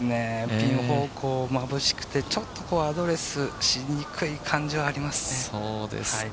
ピン方向、まぶしくてアドレスしにくい感じがありますね。